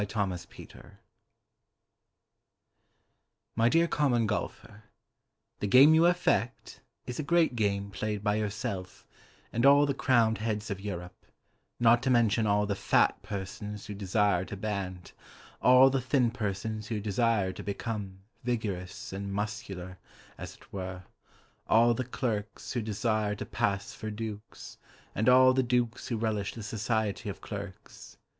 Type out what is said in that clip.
TO THE COMMON GOLFER My dear Common Golfer, The game you affect Is a great game Played by yourself And all the crowned heads of Europe, Not to mention all the fat persons who desire to bant, All the thin persons who desire to become Vigorous and muscular, as it were, All the clerks who desire to pass for dukes, And all the dukes who relish the society of clerks.